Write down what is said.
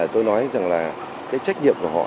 tôi nói rằng là trách nhiệm của họ